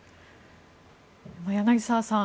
柳澤さん